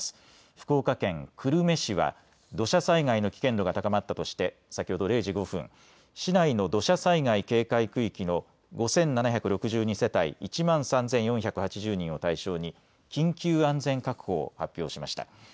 福岡県久留米市は土砂災害の危険度が高まったとして先ほど０時５分、市内の土砂災害警戒区域の５７６２世帯１万３４８０人を対象に緊急安全確保を発表しました。